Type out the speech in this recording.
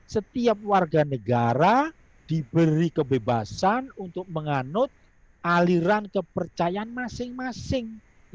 setiap warga negara diberi kebebasan untuk menganut aliran kepercayaan masing masing